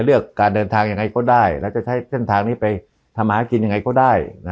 เลือกการเดินทางยังไงก็ได้แล้วจะใช้เส้นทางนี้ไปทำหากินยังไงก็ได้